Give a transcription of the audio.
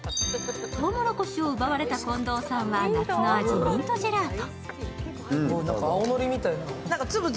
とうもろこしを奪われた近藤さんは夏の味、ミントジェラート。